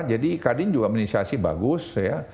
jadi kadin juga meninisiasi bagus ya